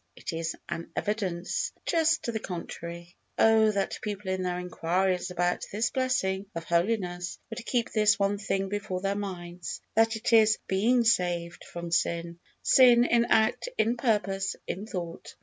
It is an evidence just to the contrary. Oh, that people, in their enquiries about this blessing of holiness, would keep this one thing before their minds, that it is being saved from sin! sin in act, in purpose, in thought!